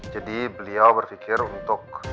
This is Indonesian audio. jadi beliau berfikir untuk